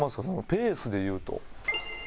ペースで言うと。